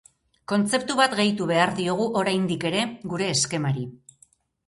Kontzeptu bat gehitu behar diogu oraindik ere gure eskemari.